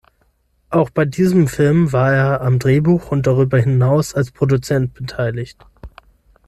Auch bei diesem Film war er am Drehbuch und darüber hinaus als Produzent beteiligt.